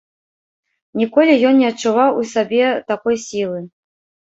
Ніколі ён не адчуваў у сабе такой сілы.